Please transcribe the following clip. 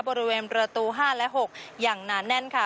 บริเวณประตู๕และ๖อย่างหนาแน่นค่ะ